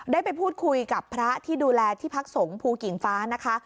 ได้ไปพูดคุยกับพระที่ดูแลที่พักสงฆ์ภูกิ่งฟ้านะคะ